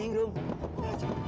ingat aku kan